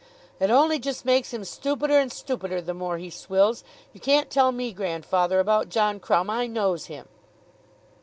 "It ony just makes him stoopider and stoopider the more he swills. You can't tell me, grandfather, about John Crumb. I knows him."